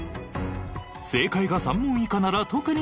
正解が３問以下なら特に注意。